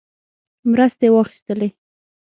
مرستې واخیستلې.